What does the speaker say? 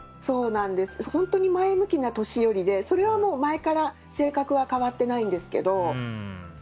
本当に前向きな年寄りでそれは前から性格は変わってないんですけど。